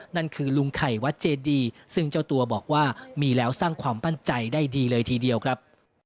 นั่นคือลุงไข่วัดเจดีซึ่งเจ้าตัวบอกว่ามีแล้วสร้างความมั่นใจได้ดีเลยทีเดียวครับ